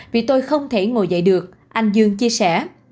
vì tôi không thể ngồi dậy được anh dương chia sẻ